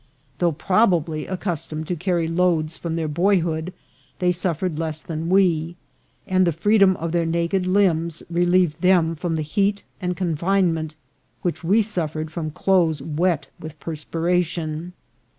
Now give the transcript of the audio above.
though probably accustomed to carry loads from their boyhood, they suffered less than we ; and the free dom of their naked limbs relieved them from the heat and confinement which we suffered from clothes wet with perspiration.